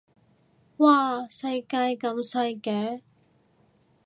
嘩世界咁細嘅